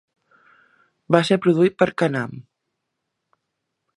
Va ser produït per Canham.